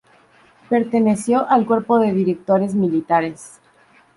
Perteneció al Cuerpo de Directores Militares.